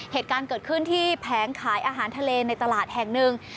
เหตุการณ์เกิดขึ้นที่แผงขายอาหารทะเลในตลาดแห่งหนึ่ง